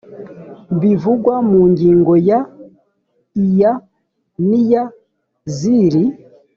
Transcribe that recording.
bivugwa mu ngingo ya iya n iya z iri